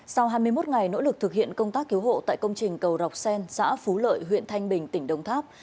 sau hai mươi một ngày nỗ lực thực hiện công tác cứu hộ tại công trình cầu rọc sen xã phú lợi huyện thanh bình tỉnh đông tháp